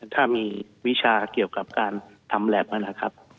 ถ้ามีวิชาเกี่ยวกับการทำแล็บนะครับ